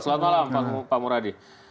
selamat malam pak muradi